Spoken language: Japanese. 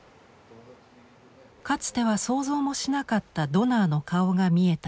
かつては想像もしなかったドナーの顔が見えた